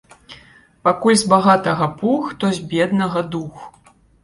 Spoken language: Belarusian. Пакуль з багатага пух, то з беднага дух.